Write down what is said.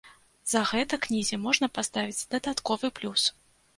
За гэта кнізе можна паставіць дадатковы плюс.